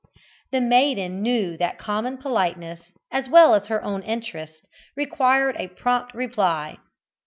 The maiden knew that common politeness, as well as her own interest, required a prompt reply.